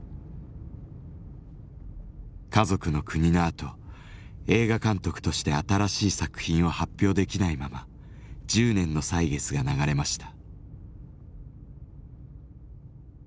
「かぞくのくに」のあと映画監督として新しい作品を発表できないまま１０年の歳月が流れました。